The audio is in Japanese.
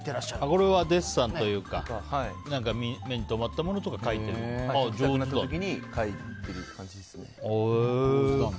これはデッサンというか目に留まったものとかを描いてる感じですね。